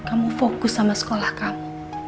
kamu fokus sama sekolah kamu